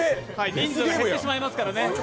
人数が減ってしまいますからね。